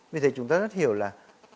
vì thế chúng ta rất hiểu là